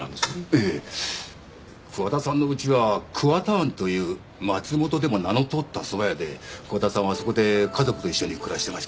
ええ桑田さんのうちは「桑田庵」という松本でも名の通ったそば屋で桑田さんはそこで家族と一緒に暮らしてました